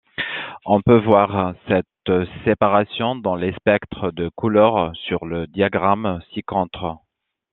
On peut voir cette séparation dans les spectres de couleurs sur le diagramme ci-contre.